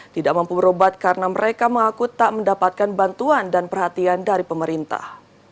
tidak mampu berobat karena mereka mengaku tak mendapatkan bantuan dan perhatian dari pemerintah